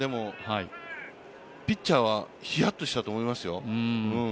ピッチャーはひやっとしたと思いますよ。